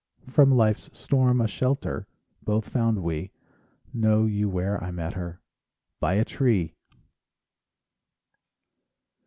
From life's storm a shelter Both found we: Know you where I met her? By a tree!